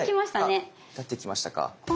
あっ立ってきましたか。